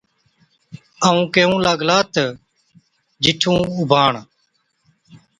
ائُون ڪيهُون لاگلا تہ، جِنُون اُڀاڻ،